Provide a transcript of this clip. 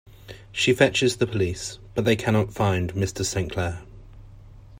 She fetches the police, but they cannot find Mr. Saint Clair.